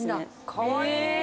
かわいい！